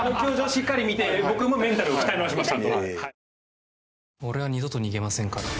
しっかり見て僕もメンタルを鍛え直します。